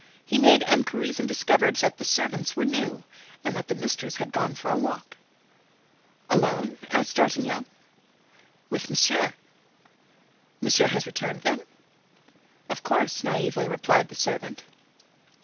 He made inquiries and discovered that the servants were new and that the mistress had gone for a walk. "Alone?" asked D'Artagnan. "With monsieur." "Monsieur has returned, then?" "Of course," naively replied the servant.